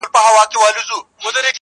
o يو کال وروسته کلي بدل سوی,